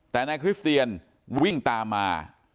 แต่นายคริสเตียนวิ่งตามมา